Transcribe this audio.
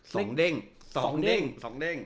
ส่องเด้งส่องเด้ง